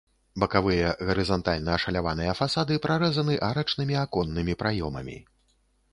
Бакавыя гарызантальна ашаляваныя фасады прарэзаны арачнымі аконнымі праёмамі.